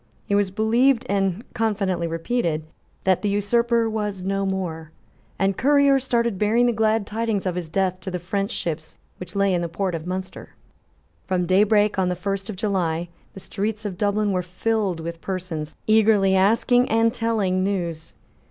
It was believed, and confidently repeated, that the usurper was no more; and couriers started bearing the glad tidings of his death to the French ships which lay in the ports of Munster. From daybreak on the first of July the streets of Dublin were filled with persons eagerly asking and telling news.